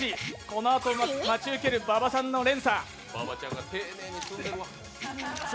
このあと待ち受ける馬場さんの連鎖。